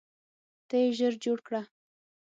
ته یې ژر جوړ کړه.